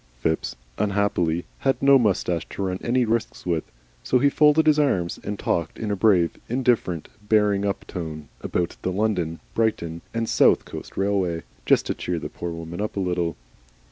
Phipps, unhappily, had no moustache to run any risks with, so he folded his arms and talked in a brave, indifferent, bearing up tone about the London, Brighton, and South Coast Railway, just to cheer the poor woman up a little.